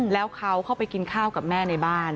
แล้วเขาเข้าไปกินข้าวกับแม่ในบ้าน